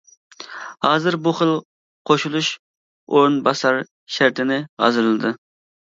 ھازىر بۇ خىل قوشۇلۇش ئورۇن باسار شەرتىنى ھازىرلىدى.